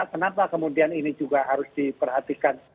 kenapa kemudian ini juga harus diperhatikan